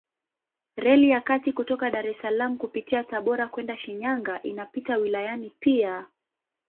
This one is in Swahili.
Reli ya kati kutoka Dar es Salaam kupitia Tabora kwenda Shinyanga inapita wilayani pia.